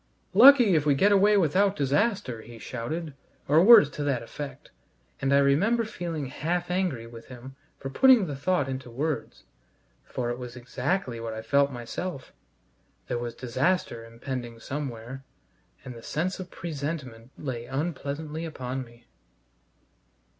"Lucky if we get away without disaster!" he shouted, or words to that effect; and I remember feeling half angry with him for putting the thought into words, for it was exactly what I felt myself. There was disaster impending somewhere, and the sense of presentiment lay unpleasantly upon me.